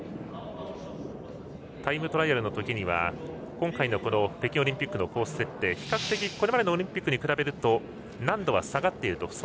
タイムトライアルのときは今回の北京オリンピックのコース設定は比較的これまでのオリンピックに比べると難度は下がっていると。